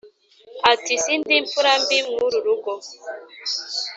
ati sindi imfura mbi mw'uru rugo